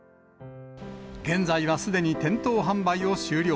現在はすでに店頭販売を終了。